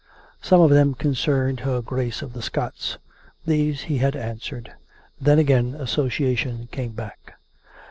Some of them con cerned her Grace of the Scots. ... These he had answered. Then, again, association came back.